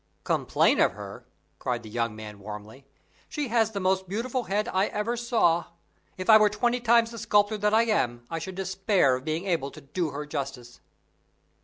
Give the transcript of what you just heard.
"Complain of her!" cried the young man, warmly; "she has the most beautiful head I ever saw. If I were twenty times the sculptor that I am, I should despair of being able to do her justice."